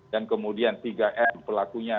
dan kemudian tiga m pelakunya